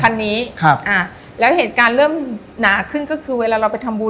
คันนี้ครับอ่าแล้วเหตุการณ์เริ่มหนาขึ้นก็คือเวลาเราไปทำบุญ